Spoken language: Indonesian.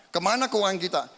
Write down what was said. kemana keuangan kita